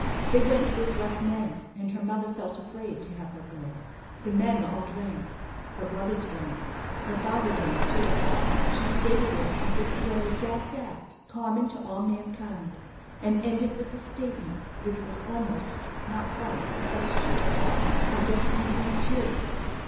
They went with rough men, and her mother felt afraid to have her go. The men all drank. Her brothers drank. Her father drank too. She stated it as if it were a sad fact common to all mankind, and ended with the statement which was almost, not quite, a question, "I guess you drink too."